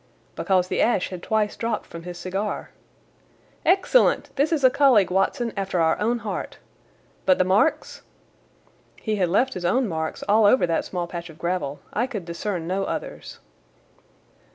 "Because the ash had twice dropped from his cigar." "Excellent! This is a colleague, Watson, after our own heart. But the marks?" "He had left his own marks all over that small patch of gravel. I could discern no others."